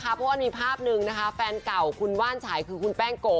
เพราะว่ามีภาพหนึ่งนะคะแฟนเก่าคุณว่านฉายคือคุณแป้งโก